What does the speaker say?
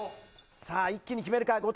一気に決めるか。